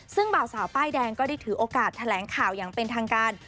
ซึ่งบ่าวสาวป้ายแดงก็ได้ถือโอกาสแถลงข่าวอย่างเป็นทางการ